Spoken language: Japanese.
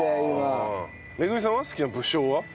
めぐみさんは好きな武将は？